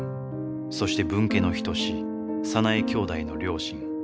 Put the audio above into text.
そして分家の一早苗兄妹の両親。